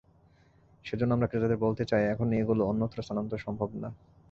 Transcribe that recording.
সেজন্য আমরা ক্রেতাদের বলতে চাই, এখনই এগুলো অন্যত্র স্থানান্তর সম্ভব না।